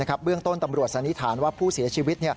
เบื้องต้นตำรวจสันนิษฐานว่าผู้เสียชีวิต